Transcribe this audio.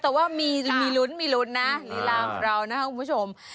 แต่ว่ามีมีลุ้นมีลุ้นนะสู่ในร่างลามองกับคุณผู้ชม